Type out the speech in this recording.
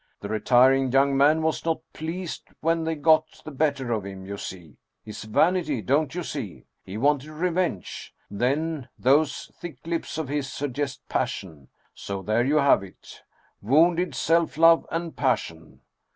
The retiring young man was not pleased when they got the better of him, you see! His vanity, don't you see ? He wanted revenge. Then, those thick lips of his suggest passion. So there you have it: wounded self love and passion.